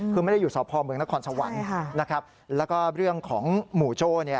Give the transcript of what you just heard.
คือไม่ได้อยู่สพเมืองนครสวรรค์นะครับแล้วก็เรื่องของหมู่โจ้เนี่ย